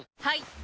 はい！